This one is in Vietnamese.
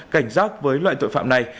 cảnh giác với loại tội phạm này